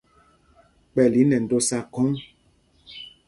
Kpɛ̂l í nɛ ndōsā khɔ́ŋ.